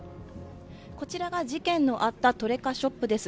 こちらが事件のあったトレカショップです。